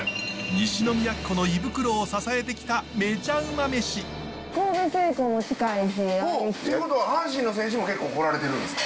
西宮っ子の胃袋を支えてきたということは阪神の選手も結構来られてるんですか。